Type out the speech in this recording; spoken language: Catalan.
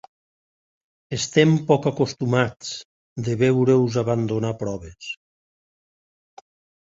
Estem poc acostumats de veure-us abandonar proves.